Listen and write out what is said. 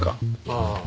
ああ。